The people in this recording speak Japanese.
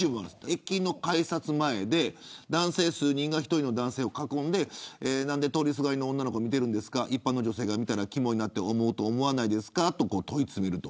駅の改札前で男性数人が男性１人を囲んで何で通りすがりの女性を見てるんですか一般の人が見たら、きもいって思わないんですかと問い詰めると。